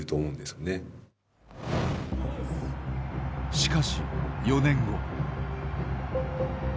しかし、４年後。